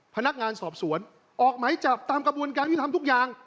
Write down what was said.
พนักงานสอบสวนออกไหมจับตามกระบวนการยุทธรรมทุกอย่าง